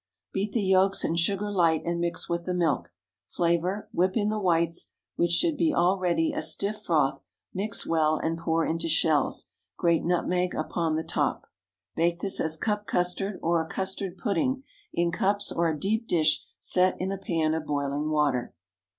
Beat the yolks and sugar light, and mix with the milk; flavor, whip in the whites, which should be already a stiff froth, mix well, and pour into shells. Grate nutmeg upon the top. Bake this as cup custard, or a custard pudding, in cups or a deep dish set in a pan of boiling water.